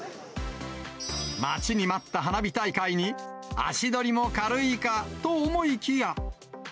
待ちに待った花火大会に、足取りも軽いかと思いきや。